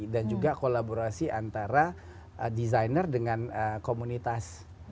juga kolaborasi antara desainer dengan komunitas